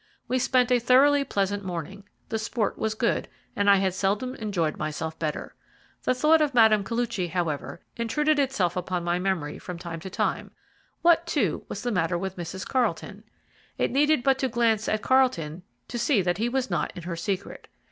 We spent a thoroughly pleasant morning, the sport was good, and I had seldom enjoyed myself better. The thought of Mme. Koluchy, however, intruded itself upon my memory from time to time; what, too, was the matter with Mrs. Carlton? It needed but to glance at Carlton to see that he was not in her secret.